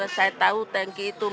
terus pas saya tahu tanki itu ya